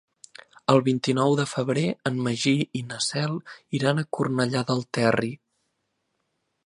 El vint-i-nou de febrer en Magí i na Cel iran a Cornellà del Terri.